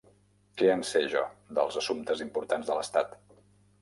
Què en sé jo, dels assumptes importants de l'estat?